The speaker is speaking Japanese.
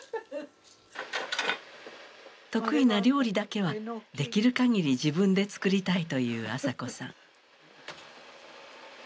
得意な料理だけはできるかぎり自分で作りたいという朝子さん。